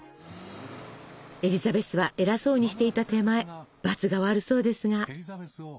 エリザベスは偉そうにしていた手前ばつが悪そうですが。